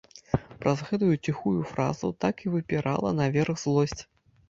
Праз гэтую ціхую фразу так і выпірала наверх злосць.